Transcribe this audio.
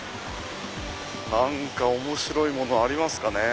何か面白いものありますかね。